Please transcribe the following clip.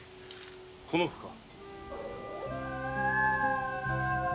この子か？